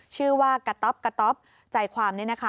ชื่อว่ากระต๊อบกระต๊อปใจความนี้นะคะ